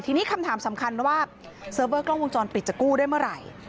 ทีนี้คำถามสำคัญว่าเซิร์ฟเวอร์กล้องวงจรปิดจะกู้ได้เมื่อไหร่